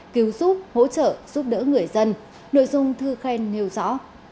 cứu giúp hỗ trợ giúp đỡ người dân nội dung thư khen nêu rõ